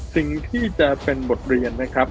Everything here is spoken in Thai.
สิ่งที่จะเป็นบทเรียนนะครับ